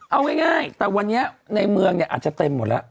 เอาง่ายแต่วันนี้ในเมืองเนี่ยอาจจะเต็มหมดแล้ว